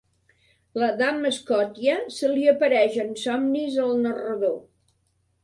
La Dame Scotia se li apareix en somnis al narrador.